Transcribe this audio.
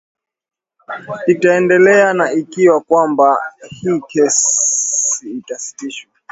itaendelea na ikiwa kwamba hii kesi itasitishwa